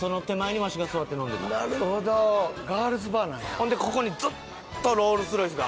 ほんでここにずっとロールス・ロイスが。